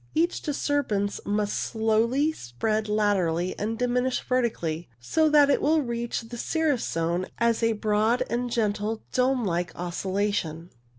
Each disturbance must slowly 40 CIRRUS spread laterally and diminish vertically, so that it will reach the cirrus zone as a broad and gentle dome like oscillation.